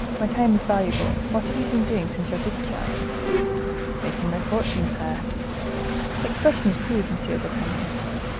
My time is valuable. What have you been doing since your discharge?" "Making my fortune, sire." "The expression is crude, Monsieur d'Artagnan."